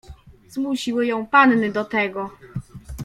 "Zmusiły ją panny do tego."